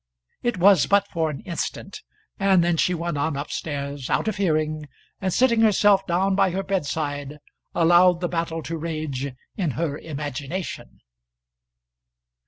It was but for an instant, and then she went on up stairs, out of hearing, and sitting herself down by her bedside allowed the battle to rage in her imagination.